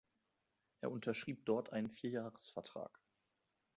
Er unterschrieb dort einen Vier-Jahres-Vertrag.